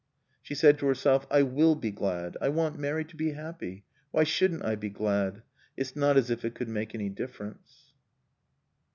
She said to herself, "I will be glad. I want Mary to be happy. Why shouldn't I be glad? It's not as if it could make any difference."